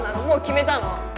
もう決めたの？